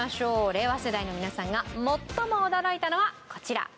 令和世代の皆さんが最も驚いたのはこちら。